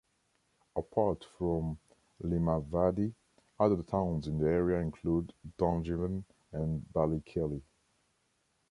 Apart from Limavady other towns in the area include Dungiven and Ballykelly.